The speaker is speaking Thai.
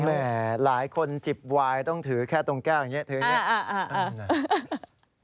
แต่หลายคนจิบไว้ต้องถือแค่ตรงแก้วอย่างนี้